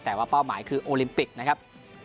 แต่ว่าเป้าหมายคือโอลิมปิกนะครับ